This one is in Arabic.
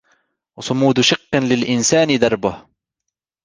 و صمود شق للإنسان دربه